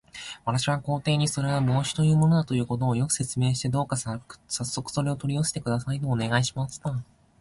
私は皇帝に、それは帽子というものだということを、よく説明して、どうかさっそくそれを取り寄せてください、とお願いしました。